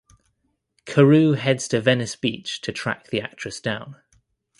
Karoo heads to Venice Beach to track the actress down.